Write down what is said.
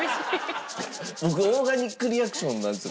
僕オーガニックリアクションなんですよ。